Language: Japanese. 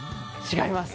違います。